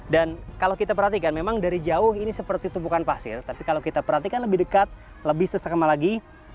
dan kalau kita perhatikan memang dari jauh ini seperti tumpukan pasir tapi kalau kita perhatikan lebih dekat lebih sesekama lagi